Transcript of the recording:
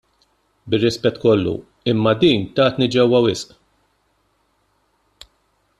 Bir-rispett kollu, imma din tatni ġewwa wisq!